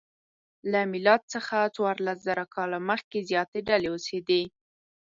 له میلاد څخه څوارلسزره کاله مخکې زیاتې ډلې اوسېدې.